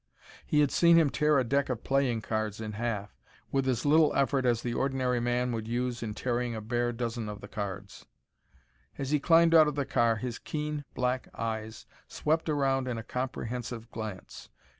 He had seen him tear a deck of playing cards in half and, after doubling, again in half, with as little effort as the ordinary man would use in tearing a bare dozen of the cards. As he climbed out of the car his keen black eyes swept around in a comprehensive glance.